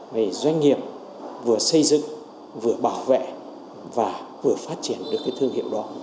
về doanh nghiệp vừa xây dựng vừa bảo vệ và vừa phát triển được cái thương hiệu đó